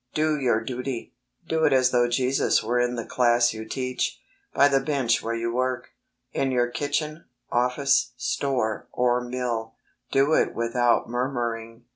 Do your duty. Do it as though Jesus were in the class you teach, by the bench where you work, in your kitchen, office, store, or mill. Do it without murmuring.